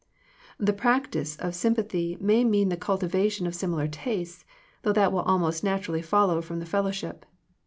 The practice of sympathy may mean the cultivation of similar tastes, though that will almost naturally follow from the fellowship.